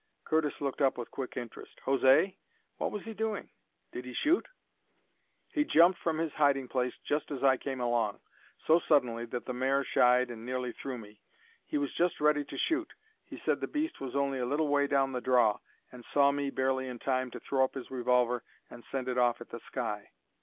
Curtis looked up with quick interest. "José? What was he doing? Did he shoot?" "He jumped from his hiding place just as I came along, so suddenly that the mare shied and nearly threw me. He was just ready to shoot he said the beast was only a little way down the draw and saw me barely in time to throw up his revolver and send it off at the sky.